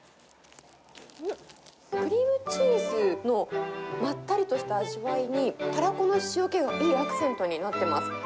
クリームチーズのまったりとした味わいに、タラコの塩気がいいアクセントになっています。